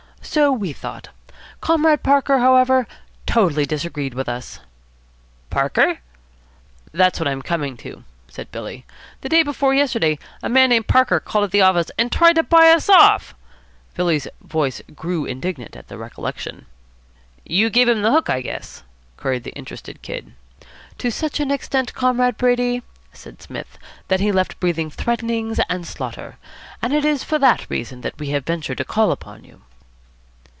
"So we thought. Comrade Parker, however, totally disagreed with us." "Parker?" "That's what I'm coming to," said Billy. "The day before yesterday a man named Parker called at the office and tried to buy us off." Billy's voice grew indignant at the recollection. "You gave him the hook, I guess?" queried the interested Kid. "To such an extent, Comrade Brady," said Psmith, "that he left breathing threatenings and slaughter. And it is for that reason that we have ventured to call upon you."